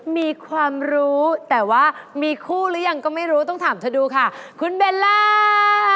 มีความรู้แต่ว่ามีคู่หรือยังก็ไม่รู้ต้องถามเธอดูค่ะคุณเบลล่า